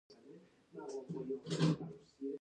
زه په یو داسي ځای کي زیږېدلی یم چي اوس په هند کي دی